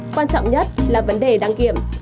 quan trọng nhất là vấn đề đăng kiểm